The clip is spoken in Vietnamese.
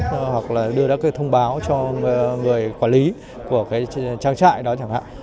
hoặc là đưa ra thông báo cho người quản lý của trang trại đó chẳng hạn